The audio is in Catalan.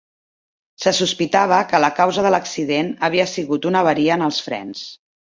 Se sospitava que la causa de l'accident havia sigut una avaria en els frens.